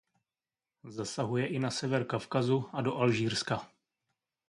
Zasahuje i na sever Kavkazu a do Alžírska.